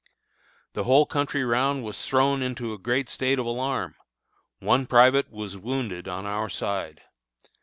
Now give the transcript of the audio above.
The whole country round was thrown into a great state of alarm. One private was wounded on our side.